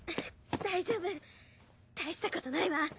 大丈夫大したことないわ。